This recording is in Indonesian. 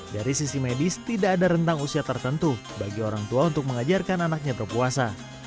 dari sisi medis tidak ada rentang usia tertentu bagi orang tua untuk mengajarkan anaknya berpuasa